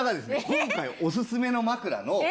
今回おすすめの枕の。